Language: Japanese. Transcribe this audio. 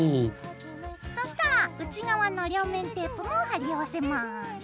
そしたら内側の両面テープも貼り合わせます。